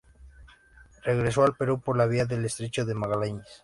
Regresó al Perú por la vía del estrecho de Magallanes.